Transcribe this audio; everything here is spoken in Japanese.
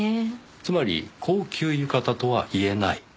つまり高級浴衣とは言えない？